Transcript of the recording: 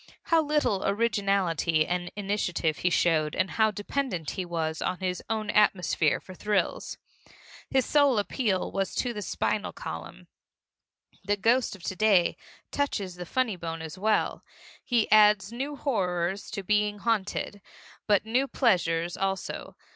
How little originality and initiative he showed and how dependent he was on his own atmosphere for thrills! His sole appeal was to the spinal column. The ghost of to day touches the funny bone as well. He adds new horrors to being haunted, but new pleasures also.